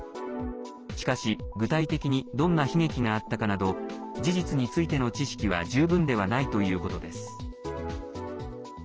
しかし、具体的にどんな悲劇があったかなど事実についての知識は十分ではないということです。